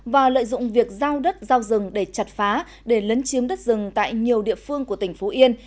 và lợi dụng việc giao đất giao rừng để chặt phá để lấn chiếm đất rừng tại nhiều địa phương của tỉnh phú yên